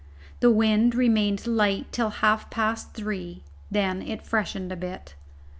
The wind remained light till half past three; it then freshened a bit.